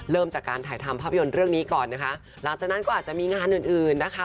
เริ่มจากการถ่ายทำภาพยนตร์เรื่องนี้ก่อนนะคะหลังจากนั้นก็อาจจะมีงานอื่นอื่นนะคะ